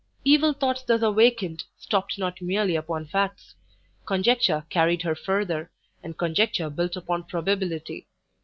Evil thoughts thus awakened, stopt not merely upon facts; conjecture carried her further, and conjecture built upon probability.